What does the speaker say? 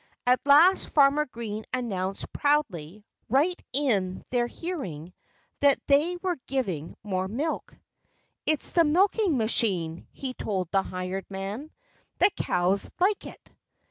At last Farmer Green announced proudly, right in their hearing, that they were giving more milk. "It's the milking machine," he told the hired man. "The cows like it."